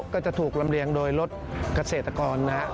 ก็จะถูกลำเรียงโดยรถเกษตรกรนะครับ